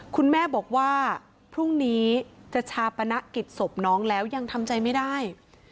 คุณแม่บอกว่าพรุ่งนี้จะชาปนกิจศพน้องแล้วยังทำใจไม่ได้